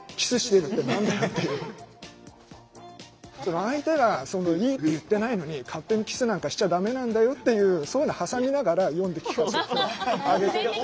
相手がいいって言ってないのに勝手にキスなんかしちゃダメなんだよっていうそういうの挟みながら読んで聞かせてあげてるって。